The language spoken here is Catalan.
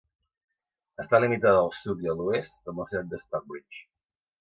Està limitada al sud i a l'oest amb la ciutat de Stockbridge.